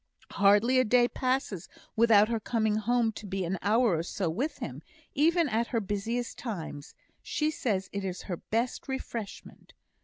"Hardly a day passes without her coming home to be an hour or so with him, even at her busiest times; she says it is her best refreshment.